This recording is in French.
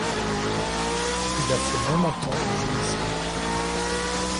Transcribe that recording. Il a fait même entendre un gémissement